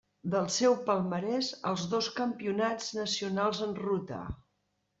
Del seu palmarès els dos campionats nacionals en ruta.